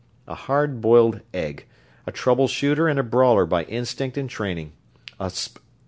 A hard boiled egg. A trouble shooter and a brawler by instinct and training. A sp...."